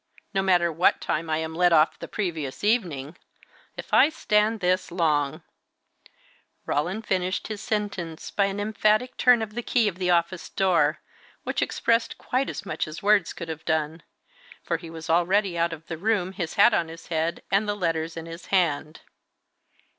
No matter what time I am let off the previous evening. If I stand this long " Roland finished his sentence by an emphatic turn of the key of the office door, which expressed quite as much as words could have done; for he was already out of the room, his hat on his head, and the letters in his hand.